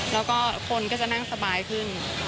แล้วก็คนก็จะนั่งสบายขึ้น